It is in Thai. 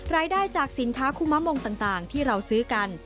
รายได้จากสินค้าคุมงต่างที่เราซื้อกัน